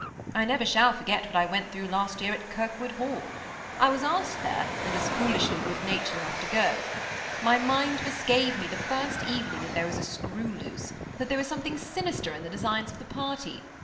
I never shall forget what I went through last year at Kirwood Hall. I was asked there, and was foolishly good natured enough to go. My mind misgave me the first evening that there was a screw loose, — that there was something sinister in the designs of the party.